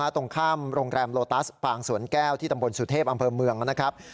ตรงข้ามโรงแรมโลตัสปางสวนแก้วที่ตำบลสุเทพอำเภอเมืองนะครับ